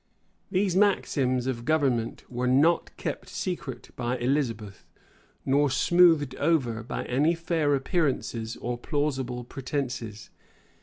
These maxims of government were not kept secret by Elizabeth, nor smoothed over by any fair appearances or plausible pretences.